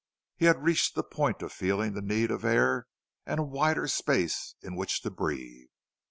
He had reached the point of feeling the need of air and a wider space in which to breathe.